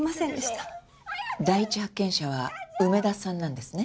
第一発見者は梅田さんなんですね？